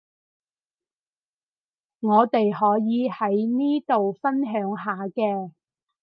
我哋可以喺呢度分享下嘅